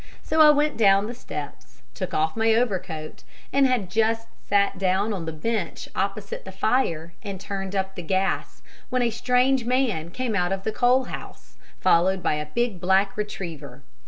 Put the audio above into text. So I went down the steps, took off my overcoat, and had just sat down on the bench opposite the fire and turned up the gas when a strange man came out of the coal house, followed by a big black retriever.